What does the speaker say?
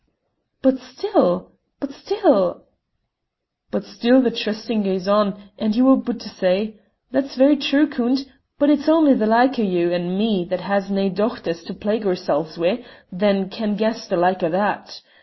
"But still but still " "But still the trystin' gaes on, ye were aboot to say. That's very true, Coont, but it's only the like o' you and me that has nae dochters to plague oorsel's wi' that can guess the like o' that.